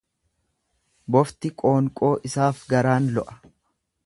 Bofti qoonqoo isaaf garaan lo'a.